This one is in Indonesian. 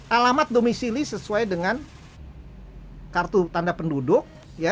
alamat domisili sesuai dengan kartu tanda penduduk